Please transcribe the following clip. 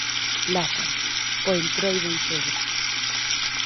Laza; O entroido enxebre.